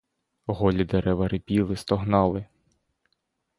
Голі дерева рипіли, стогнали.